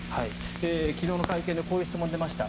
昨日の会見でこういう質問が出ました。